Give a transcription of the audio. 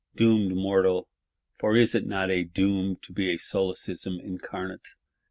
' Doomed mortal;—for is it not a doom to be Solecism incarnate!